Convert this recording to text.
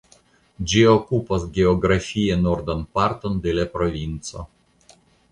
Ĝi okupas geografie nordan parton de la provinco.